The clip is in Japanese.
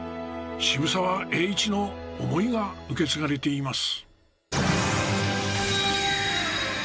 渋沢栄一の思いが受け継がれています。